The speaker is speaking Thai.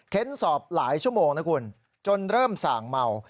สอบหลายชั่วโมงนะคุณจนเริ่มส่างเมา